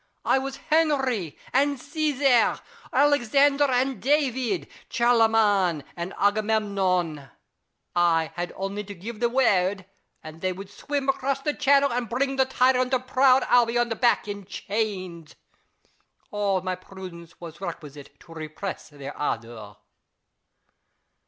I was Henry and Osesar, Alexander and David, Charlemagne and Agamemnon : I had only to give the word ; they would swim across the Channel, and bring the tyrant of proud Albion back in chains. All my prudence was requisite to repress their ardour.